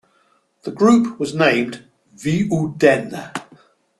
The group was named "V-u-den".